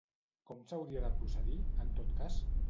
Com s'hauria de procedir, en tot cas?